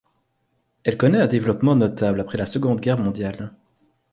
Elle connaît un développement notable après la Seconde Guerre mondiale.